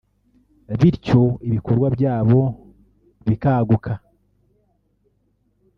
bityo ibikorwa byabo bikaguka